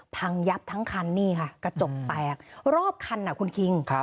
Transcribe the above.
พังยับทั้งคันนี่ค่ะกระจกแตกรอบคันคุณคิง